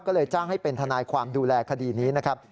ก็เลยจ้างให้เป็นทนายความดูแลคดีนี้นะครับ